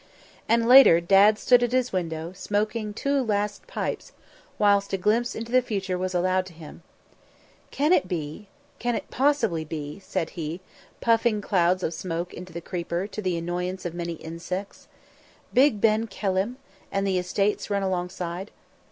And later Dads stood at his window, smoking two last pipes, whilst a glimpse into the future was allowed him. "Can it be can it possibly be," he said, puffing clouds of smoke into the creeper, to the annoyance of many insects, "Big Ben Kelham? and the estates run alongside.